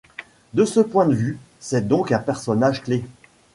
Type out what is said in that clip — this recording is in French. De ce point de vue, c'est donc un personnage clé.